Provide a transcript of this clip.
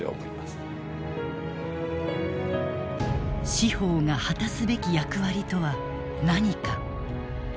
司法が果たすべき役割とは何か。